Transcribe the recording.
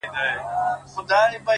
• زه بې له تا گراني ژوند څنگه تېر كړم،